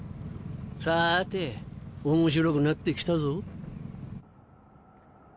さぁて面白くなって来たぞ。